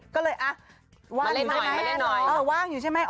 ก็เลยเอาอ่าว้าอยู่ใช่ไหมล่ะ